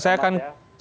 selamat malam prof